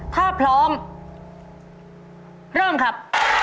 ถ้าพร้อมเริ่มครับ